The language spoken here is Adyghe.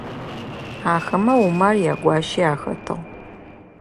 Ахэмэ Умар ягуащи ахэтыгъ.